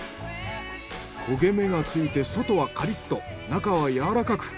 焦げ目がついて外はカリッと中はやわらかく。